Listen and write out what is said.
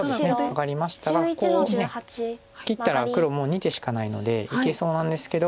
マガりましたがこう切ったら黒もう２手しかないのでいけそうなんですけど。